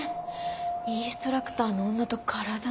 インストラクターの女と体の関係。